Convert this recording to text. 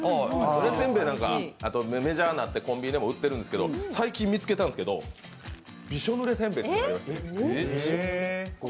ぬれせんべいがメジャーになってコンビニでも売ってるんですけど最近見つけたんですけど、びしょぬれせんべい。